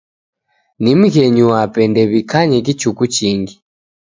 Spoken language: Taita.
Ni mghenyu wape ndew'ikanye kichuku chingi.